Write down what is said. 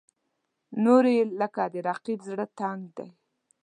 نورې یې لکه د رقیب زړه تنګ دي.